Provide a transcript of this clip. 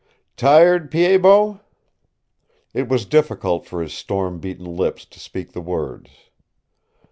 "Tired, Pied Bot?" It was difficult for his storm beaten lips to speak the words.